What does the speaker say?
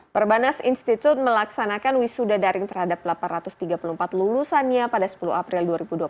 perbanas institut melaksanakan wisuda daring terhadap delapan ratus tiga puluh empat lulusannya pada sepuluh april dua ribu dua puluh satu